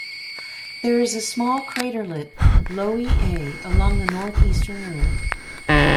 There is a small craterlet, Loewy A, along the northeastern rim.